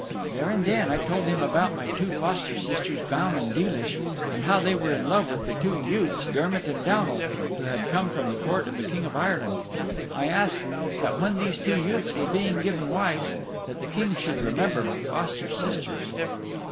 There and then I told him about my two foster sisters Baun and Deelish, and how they were in love with the two youths Dermott and Downal who had come from the court of the King of Ireland. I asked that when these two youths were being given wives, that the King should remember my foster sisters.